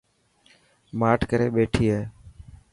ماٺ ڪري ٻيٺي هي.